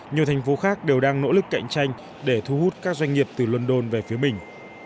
nhiều thành phố khác đều đang nỗ lực cạnh tranh để thu hút các doanh nghiệp từ london về phía mình